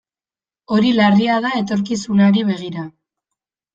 Hori larria da etorkizunari begira.